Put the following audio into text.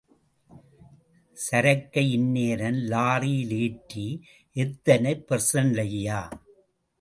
சரக்கை இந்நேரம் லாரியில் ஏற்றி... எத்தன பெர்சண்டுய்யா?